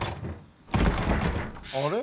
あれ？